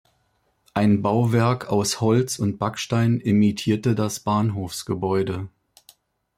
Ein Bauwerk aus Holz und Backstein imitierte das Bahnhofsgebäude.